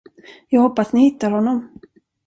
Jag hoppas ni hittar honom.